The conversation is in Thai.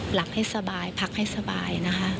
หลับให้สบายพักให้สบายนะคะ